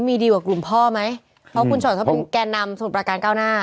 มีดีกว่ากลุ่มพ่อไหมเพราะคุณชอตเขาเป็นแก่นำสมุทรประการก้าวหน้า